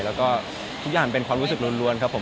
แล้วก็ทุกอย่างเป็นความรู้สึกล้วนครับผม